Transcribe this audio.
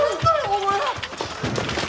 お前！